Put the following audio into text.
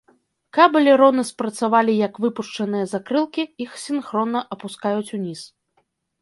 Каб элероны працавалі як выпушчаныя закрылкі, іх сінхронна апускаюць уніз.